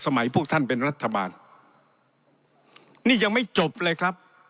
พวกท่านเป็นรัฐบาลนี่ยังไม่จบเลยครับ